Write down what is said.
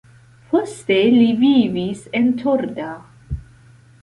Poste li vivis en Torda.